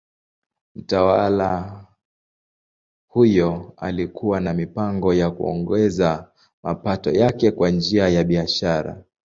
Mtawala huyo alikuwa na mipango ya kuongeza mapato yake kwa njia ya biashara.